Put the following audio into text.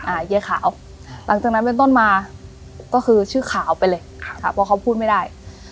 เย้ขาวหลังจากนั้นเป็นต้นมาก็คือชื่อขาวไปเลยครับค่ะเพราะเขาพูดไม่ได้